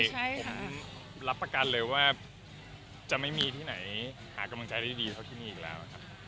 ผมรับประกันเลยว่าจะไม่มีที่ไหนหากำลังใจได้ดีเท่าที่มีอีกแล้วครับ